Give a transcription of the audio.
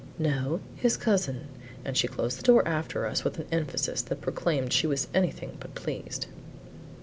"No, his cousin;" and she closed the door after us with an emphasis that proclaimed she was anything but pleased.